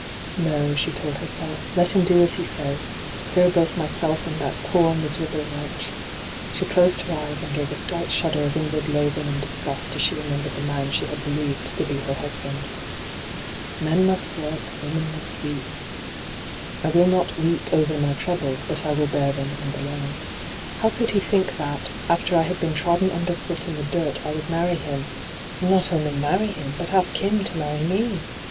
No,* she told herself. ' Let him do as he says — clear both myself and that poor, miserable wretch.' (She closed her eyes and gave a slight shudder of inward loathii^ and disgust as she remembered the man she had believed to be her husband.) '"Men must work, women must weep." I will not " weep " over my troubles, but I will bear them, and alone. How could he think that, after I had been trodden underfoot in the dirt, I would marry him — not only marry him, but ask him to marry me